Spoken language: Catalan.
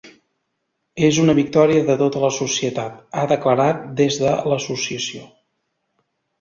És una victòria de tota la societat, ha declarat des de l’associació.